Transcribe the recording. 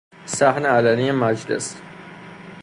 صحن علنی مجلس